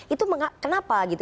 itu kenapa gitu